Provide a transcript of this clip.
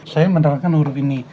saya menerangkan huruf ini